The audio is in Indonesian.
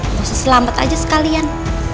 gak usah selamat aja sekalian